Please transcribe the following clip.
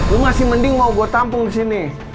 lu masih mending mau gue tampung disini